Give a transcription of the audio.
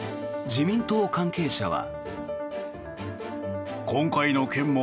自民党関係者は。